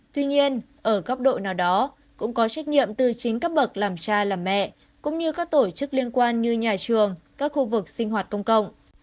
tuy nhiên ở góc độ nào đó cũng có trách nhiệm từ chính các bậc làm cha làm mẹ cũng như các tổ chức liên quan như nhà trường các khu vực sinh hoạt công cộng